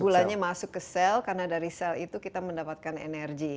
gulanya masuk ke sel karena dari sel itu kita mendapatkan energi